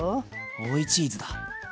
追いチーズだ。